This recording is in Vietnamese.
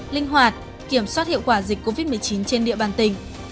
linh hoạt kiểm soát hiệu quả dịch covid một mươi chín trên địa bàn tỉnh